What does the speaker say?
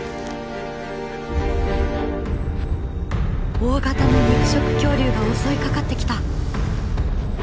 大型の肉食恐竜が襲いかかってきた！